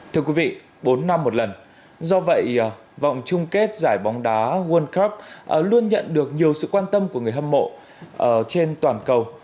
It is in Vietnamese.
thưa quý vị bốn năm một lần do vậy vòng chung kết giải bóng đá world cup luôn nhận được nhiều sự quan tâm của người hâm mộ trên toàn cầu